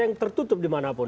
yang tertutup dimanapun